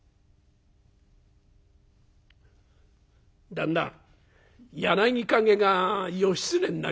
「旦那『柳陰』が義経になりました」。